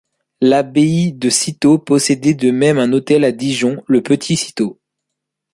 L'abbaye de Cîteaux possédait de même un hôtel à Dijon, le Petit-Cîteaux.